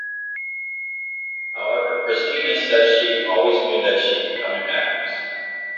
However, Christina says she always knew that she'd become an actress.